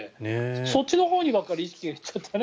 そっちのほうにばかり意識が行っちゃったね。